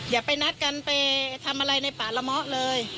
อย่าไปนัดกันไปทำอะไรในป่าละเมาะเลย